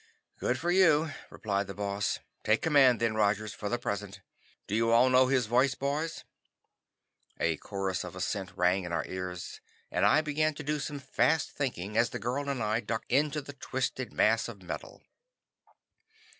"Good for you," replied the Boss. "Take command then, Rogers, for the present. Do you all know his voice, boys?" A chorus of assent rang in our ears, and I began to do some fast thinking as the girl and I ducked into the twisted mass of metal.